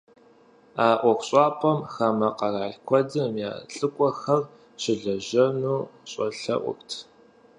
А ӏуэхущӏапӏэм хамэ къэрал куэдым я лӀыкӀуэхэр щылэжьэну щӀэлъэӀурт.